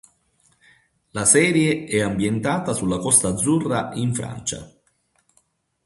La serie è ambientata sulla Costa Azzurra in Francia.